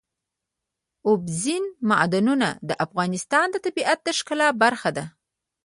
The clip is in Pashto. اوبزین معدنونه د افغانستان د طبیعت د ښکلا برخه ده.